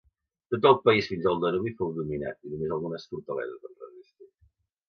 Tot el país fins al Danubi fou dominat i només algunes fortaleses van resistir.